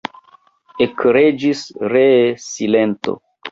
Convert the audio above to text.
Ekreĝis ree silento.